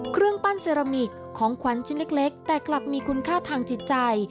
เครื่องปั้นเซรามิกของขวัญชิ้นเล็กแต่กลับมีคุณค่าทางจิตใจ